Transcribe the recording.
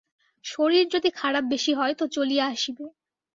শরীর যদি খারাপ বেশী হয় তো চলিয়া আসিবে।